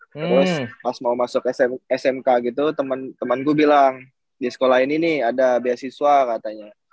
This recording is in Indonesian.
terus pas mau masuk smk gitu temanku bilang di sekolah ini nih ada beasiswa katanya